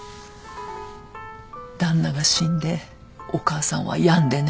旦那が死んでお母さんは病んでね。